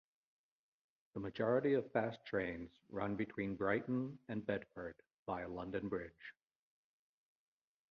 The majority of fast trains run between Brighton and Bedford via London Bridge.